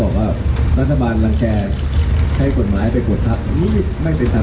สนุนโดยหน้ากากจุดมูลประตูไม่ผิด